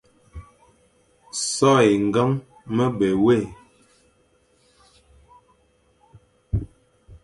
So é ñgeñ me be wé,